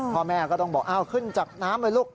พ่อแม่ก็ต้องบอกอ้าวขึ้นจากน้ำเลยลูก